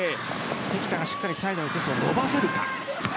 関田がしっかりサイドのトスを伸ばせるか。